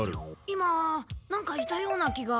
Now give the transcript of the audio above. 今なんかいたような気が。